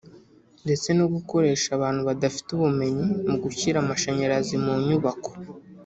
ndetse no gukoresha abantu badafite ubumenyi mu gushyira amashanyarazi mu nyubako